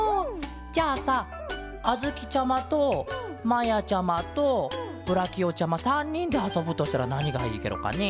じゃあさあづきちゃまとまやちゃまとブラキオちゃま３にんであそぶとしたらなにがいいケロかね？